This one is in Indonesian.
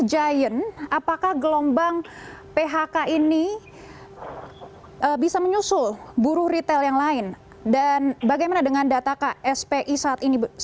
giant apakah gelombang phk ini bisa menyusul buruh retail yang lain dan bagaimana dengan data kspi saat ini